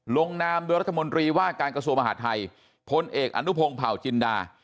ลงนามโดยรัฐมนตรีว่าการกระทรวงมหาดไทยพลเอกอนุพงศ์เผาจินดา